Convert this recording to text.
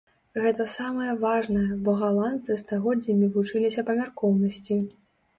Гэта самае важнае, бо галандцы стагоддзямі вучыліся памяркоўнасці.